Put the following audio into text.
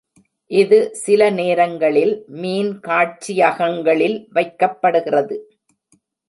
இது சில நேரங்களில் மீன்காட்சியகங்களில் வைக்கப்படுகிறது.